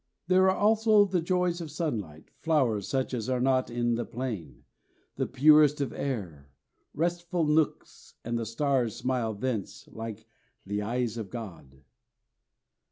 "There are also the joys of sunlight, flowers such as are not in the plain, the purest of air, restful nooks, and the stars smile thence like the eyes of God."